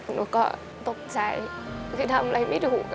หนูก็ตกใจคือทำอะไรไม่ถูก